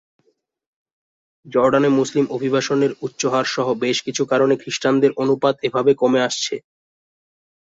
জর্ডানে মুসলিম অভিবাসনের উচ্চ হার সহ বেশ কিছু কারণে খ্রিস্টানদের অনুপাত এভাবে কমে আসছে।